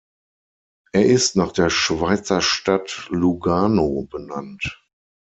Er ist nach der Schweizer Stadt Lugano benannt.